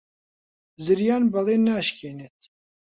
زریان بەڵێن ناشکێنێت.